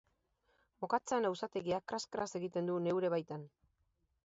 Mokattam auzategiak kras-kras egiten du neure baitan.